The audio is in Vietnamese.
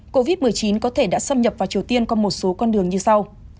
covid một mươi chín có thể đã xâm nhập vào triều tiên qua một số con đường như sau